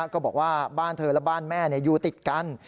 ก็บอกว่าบ้านเธอและบ้านแม่อยู่ติดกัน